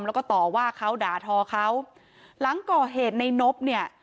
แล้วก็ต่อว่าเขาด่าทอเขาหลังก่อเหตุในนบเนี่ย